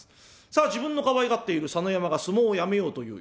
さあ自分のかわいがっている佐野山が相撲をやめようという。